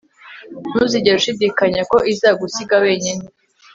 Ntuzigere ushidikanya ko izagusiga wenyine